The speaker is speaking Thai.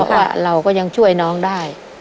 ว่าเราก็ยังช่วยน้องได้